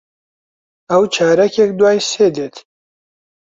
ئەو چارەکێک دوای سێ دێت.